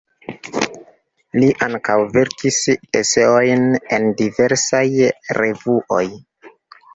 Li ankaŭ verkis eseojn en diversaj revuoj.